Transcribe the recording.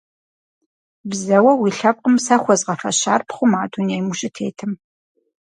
Бзэуэ уи лъэпкъым сэ хуэзгъэфэщар пхъума дунейм ущытетым?